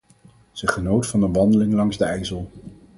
Ze genoot van een wandeling langs de Ijssel.